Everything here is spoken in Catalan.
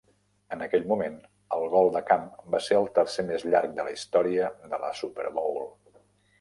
En aquell moment, el gol de camp va ser el tercer més llarg de la història de la Super Bowl.